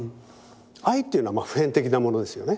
愛っていうのは普遍的なものですよね。